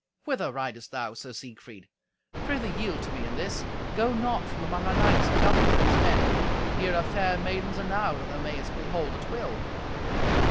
"Whither ridest thou, Sir Siegfried? Prithee yield to me in this. Go not from among our knights, and Gunther, and his men. Here are fair maidens enow that thou mayest behold at will."